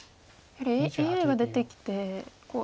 やはりＡＩが出てきて。